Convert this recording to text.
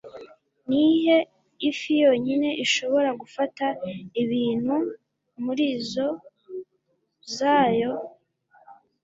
Nihe Ifi Yonyine ishobora gufata ibintu murizo zayo?